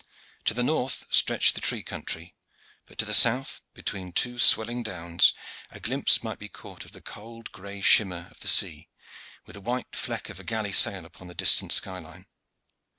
To the north stretched the tree country, but to the south, between two swelling downs, a glimpse might be caught of the cold gray shimmer of the sea, with the white fleck of a galley sail upon the distant sky line.